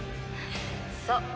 そう。